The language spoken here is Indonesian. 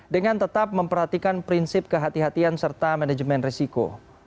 dengan tetap memperhatikan prinsip kehati hatian serta manajemen risiko